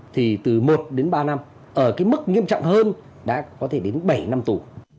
thì từ một đến ba năm ở cái mức nghiêm trọng hơn đã có thể đến bảy năm tù